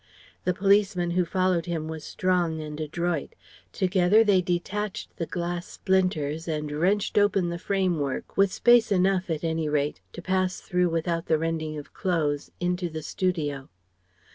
The policeman who followed him was strong and adroit. Together they detached the glass splinters and wrenched open the framework, with space enough, at any rate, to pass through without the rending of clothes into the studio.